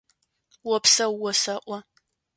Опсэу осэӏо!